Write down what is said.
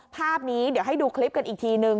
ภาพนี้เดี๋ยวให้ดูคลิปกันอีกทีนึง